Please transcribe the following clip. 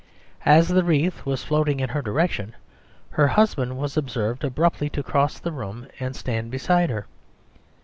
As the wreath was floating in her direction, her husband was observed abruptly to cross the room and stand beside her.